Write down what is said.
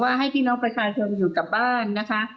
ให้พี่น้องประชาชนอยู่กับบ้านนะคะ